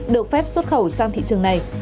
được phép xuất khẩu sang thị trường này